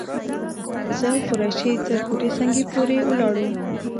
زه او قریشي تر کوټه سنګي پورې ولاړو.